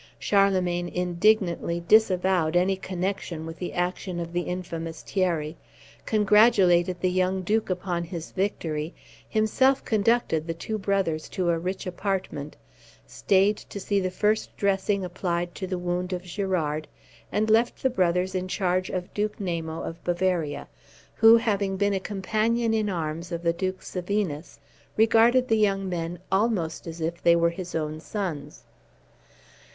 Charlemagne indignantly disavowed any connection with the action of the infamous Thierry, congratulated the young Duke upon his victory, himself conducted the two brothers to a rich apartment, stayed to see the first dressing applied to the wound of Girard, and left the brothers in charge of Duke Namo of Bavaria, who, having been a companion in arms of the Duke Sevinus, regarded the young men almost as if they were his own sons.